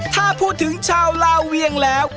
ถ้าพูดถึงชาวลาเวียงแล้ว